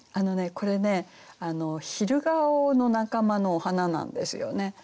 これね昼顔の仲間のお花なんですよね。